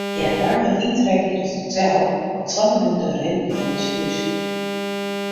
Hja naam har yntrek yn it hotel, op twa minuten rinnen fan ús hûs.